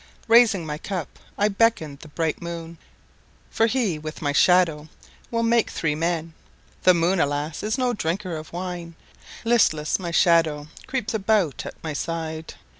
Raising my cup I beckon the bright moon, For he, with my shadow, will make three men. The moon, alas, is no drinker of wine; Listless, my shadow creeps about at my side.